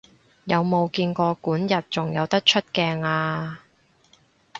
有冇見過管軼仲有得出鏡啊？